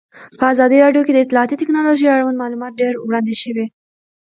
په ازادي راډیو کې د اطلاعاتی تکنالوژي اړوند معلومات ډېر وړاندې شوي.